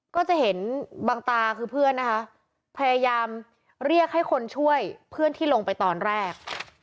ก็จะเห็นบางตาคือเพื่อนนะคะพยายามเรียกให้คนช่วยเพื่อนที่ลงไปตอนแรก